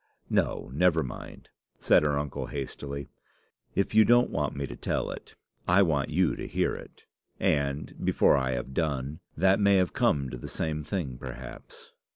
"No, never mind," said her uncle hastily. "If you don't want me to tell it, I want you to hear it; and, before I have done, that may have come to the same thing perhaps."